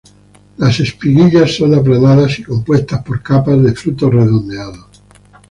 Las espiguillas son aplanadas y compuestos por capas de frutos redondeados.